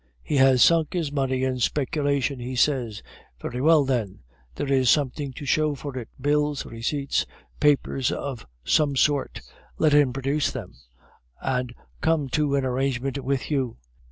He has sunk his money in speculation, he says; very well then, there is something to show for it bills, receipts, papers of some sort. Let him produce them, and come to an arrangement with you.